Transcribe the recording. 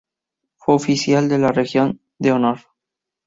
Fue oficial de la Legión de Honor.